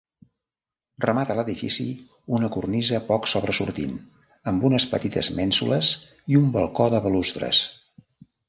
Remata l'edifici una cornisa poc sobresortint amb unes petites mènsules i un balcó de balustres.